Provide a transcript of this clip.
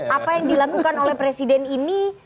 apa yang dilakukan oleh presiden ini